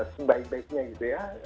sembaik baiknya gitu ya